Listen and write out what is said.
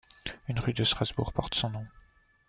Une rue de Strasbourg porte son nom.